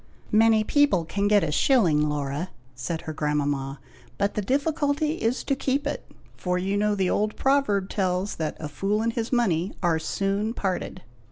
"Many people can get a shilling, Laura," said her grandmama; "but the difficulty is to keep it; for you know the old proverb tells that 'a fool and his money are soon parted.'"